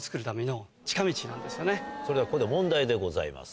それではここで問題でございます。